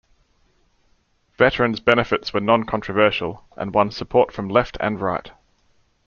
Veterans benefits were non-controversial, and won support from left and right.